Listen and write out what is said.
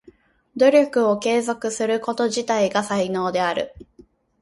努力を継続すること自体が才能である。